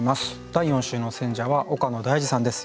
第４週の選者は岡野大嗣さんです。